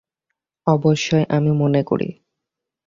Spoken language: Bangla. অবশ্যই, আমি মনে করি।